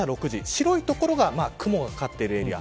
白い所が雲がかかっているエリア。